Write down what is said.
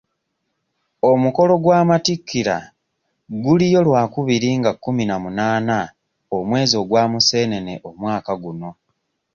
Omukolo gw'amattikira guliyo lwakubiri nga kkumi na munaana omwezi gwa museenene omwaka guno.